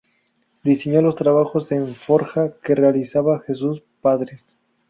Diseñó los trabajos en forja que realizaba Jesús Prades.